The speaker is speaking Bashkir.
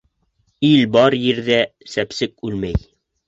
Ил бар ерҙә сәпсек үлмәй.